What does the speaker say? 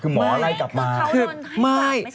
คือเขาโดนให้กลับไม่ใช่เหรอคะ